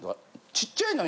ちっちゃいの。